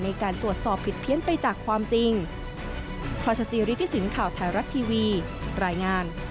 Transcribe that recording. ในการตรวจสอบผิดเพี้ยนไปจากความจริง